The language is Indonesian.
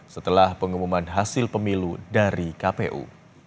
setelah pengumuman hasil pemilu dari kpu